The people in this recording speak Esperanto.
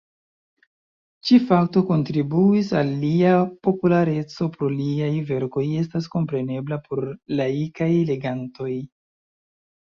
Ĉi-fakto kontribuis al lia populareco pro liaj verkoj estas komprenebla por laikaj legantoj.